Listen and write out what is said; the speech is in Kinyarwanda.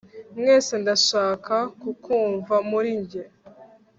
mwese ndashaka kukumva muri njye